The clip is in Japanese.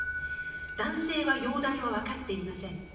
男性は容体はわかっていません。